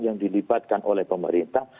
yang dilibatkan oleh pemerintah